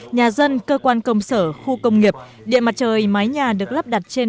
nhà dân cơ quan công sở khu công nghiệp điện mặt trời mái nhà được lắp đặt trên